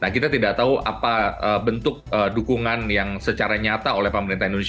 kita tidak tahu apa bentuk dukungan yang secara nyata pemerintah indonesia selama ini mendukung palestina